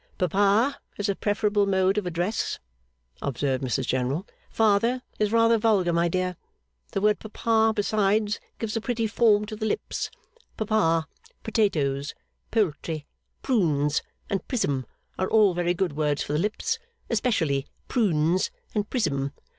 'Papa is a preferable mode of address,' observed Mrs General. 'Father is rather vulgar, my dear. The word Papa, besides, gives a pretty form to the lips. Papa, potatoes, poultry, prunes, and prism are all very good words for the lips: especially prunes and prism.